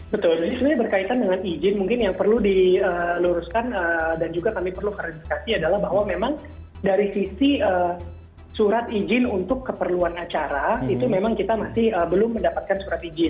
betul ini berkaitan dengan izin mungkin yang perlu diluruskan dan juga kami perlu verifikasi adalah bahwa memang dari sisi surat izin untuk keperluan acara itu memang kita masih belum mendapatkan surat izin